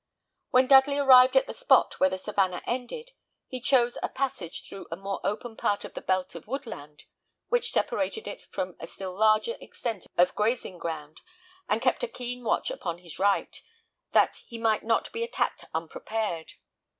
When Dudley arrived at the spot where the savannah ended, he chose a passage through a more open part of the belt of woodland which separated it from a still larger extent of grazing ground, and kept a keen watch upon his right, that he might not be attacked unprepared.